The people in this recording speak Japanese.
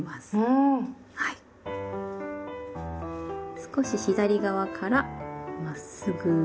少し左側からまっすぐピタッ。